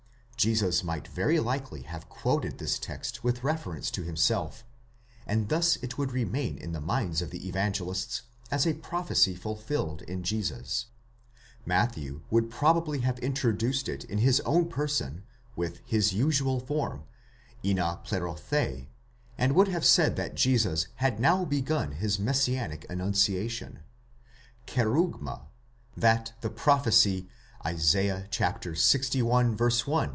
Jesus might very likely have quoted this text with reference to himself, and thus it would remain in the minds of the Evangelists as a prophecy fulfilled in Jesus ; Matthew would probably have introduced it in his own person with his usual form, iva πληρωθῇ, and would have said that Jesus had now begun his messianic annunciation, κήρυγμα, that the prophecy Isa, Ixi. 1 ff.